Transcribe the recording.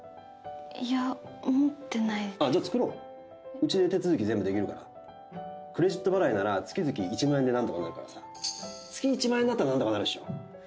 いや持ってないじゃあ作ろううちで手続き全部できるからクレジット払いなら月々１万円で何とかなるからさ月１万円だったら何とかなるっしょ？